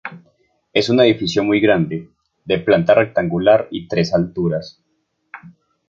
Es un edificio muy grande, de planta rectangular y tres alturas.